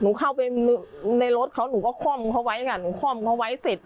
เข้าไปในรถเขาหนูก็ค่อมเขาไว้ค่ะหนูค่อมเขาไว้เสร็จ